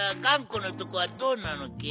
このとこはどうなのけ？